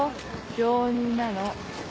病人なの。